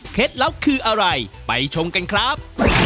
ลับคืออะไรไปชมกันครับ